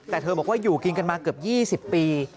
แต่เธอบอกว่าอยู่กินกันมาเกือบ๒๐ปี